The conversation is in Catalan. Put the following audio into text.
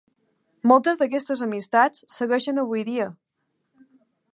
Moltes d'aquestes amistats segueixen avui dia.